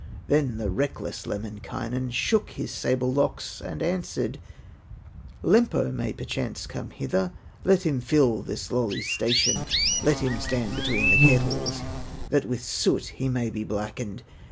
Then the reckless Lemminkainen Shook his sable locks and answered: "Lempo may perchance come hither, Let him fill this lowly station, Let him stand between the kettles, That with soot he may be blackened.